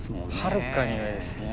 はるかに上ですね。